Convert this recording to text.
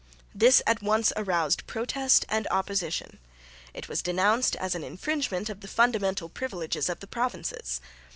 This at once aroused protest and opposition. It was denounced as an infringement of the fundamental privileges of the provinces.